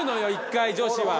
１回女子は。